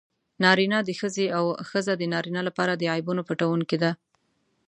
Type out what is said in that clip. نارینه د ښځې او ښځه د نارینه لپاره د عیبونو پټوونکي دي.